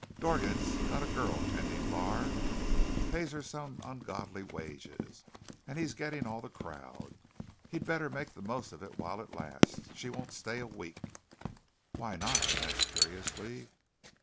"Dorgan's got a girl tending bar. Pays her some ungodly wages; and he's getting all the crowd. He'd better make the most of it while it lasts. She won't stay a week." "Why not?" I asked curiously.